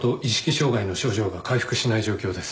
障害の症状が回復しない状況です。